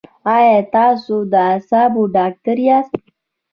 ایا تاسو د اعصابو ډاکټر یاست؟